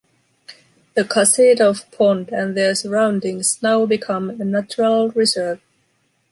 The Kasseedorf pond and their surroundings now become a natural reserve.